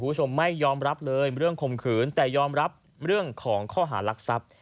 คุณผู้ชมไม่ยอมรับเลยเรื่องคมขืนแต่ยอมรับเรื่องของข้อหารักทรัพย์